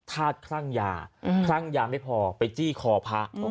ธาตุคลั่งยาคลั่งยาไม่พอไปจี้คอพระ